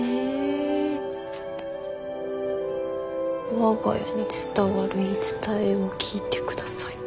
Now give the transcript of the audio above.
「我が家に伝わる言い伝えを聞いてください！」。